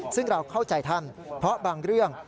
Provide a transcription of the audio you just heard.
ซึ่งเราเข้าใจท่านเพราะบางเรื่อง